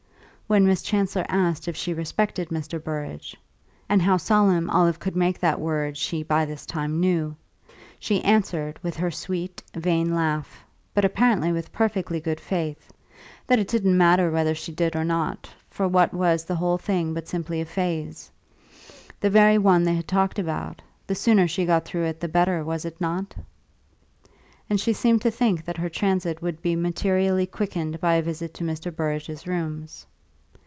When Miss Chancellor asked if she respected Mr. Burrage (and how solemn Olive could make that word she by this time knew), she answered, with her sweet, vain laugh, but apparently with perfect good faith, that it didn't matter whether she did or not, for what was the whole thing but simply a phase the very one they had talked about? The sooner she got through it the better, was it not? and she seemed to think that her transit would be materially quickened by a visit to Mr. Burrage's rooms.